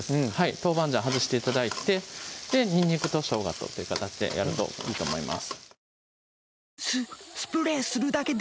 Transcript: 豆板醤外して頂いてにんにくとしょうがとという形でやるといいと思います